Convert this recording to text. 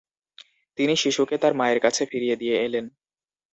তিনি শিশুকে তার মায়ের কাছে ফিরিয়ে দিয়ে এলেন।